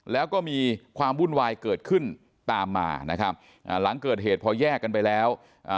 แล้วก็มีความวุ่นวายเกิดขึ้นตามมาหลังเกิดเหตุพอแยกกันไปแล้ว